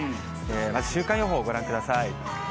まず週間予報、ご覧ください。